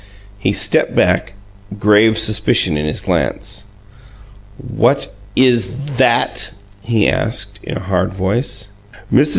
He stepped back, grave suspicion in his glance. "What IS that?" he asked, in a hard voice. Mrs.